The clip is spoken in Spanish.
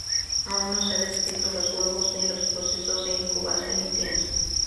Aún no se han descrito los huevos ni los proceso de incubación y crianza.